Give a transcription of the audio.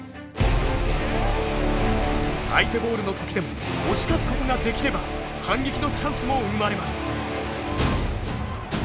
相手ボールの時でも押し勝つことができれば反撃のチャンスも生まれます。